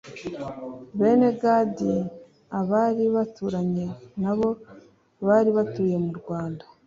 Bene Gadi a bari baturanye na bo bari batuye murwanda